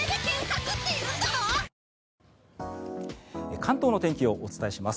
関東の天気をお伝えします。